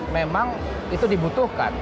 memang itu dibutuhkan